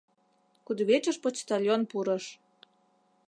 Кудывечыш почтальон пурыш.